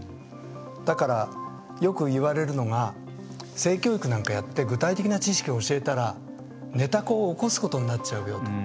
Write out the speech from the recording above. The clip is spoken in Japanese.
だから、よく言われるのが性教育なんかやって具体的な知識を教えたら寝た子を起こすことになっちゃうよと。